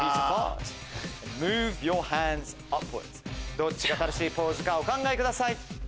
どっちが正しいポーズかお考えください。